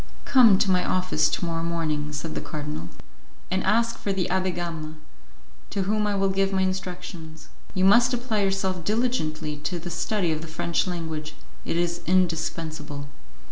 "Come to my office to morrow morning," said the cardinal, "and ask for the Abbé Gama, to whom I will give my instructions. You must apply yourself diligently to the study of the French language; it is indispensable."